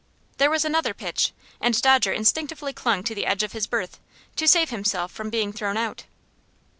There was another pitch, and Dodger instinctively clung to the edge of his berth, to save himself from being thrown out.